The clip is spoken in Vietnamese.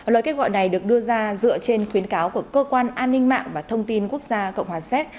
lời kêu gọi này được đưa ra dựa trên khuyến cáo của cơ quan an ninh mạng và thông tin quốc gia cộng hòa séc